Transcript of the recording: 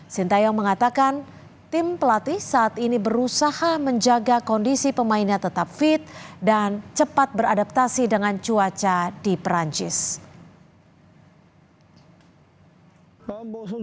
sintayong mengatakan tim pelatih saat ini berusaha menjaga kondisi pemainnya tetap fit dan cepat beradaptasi dengan cuaca di perancis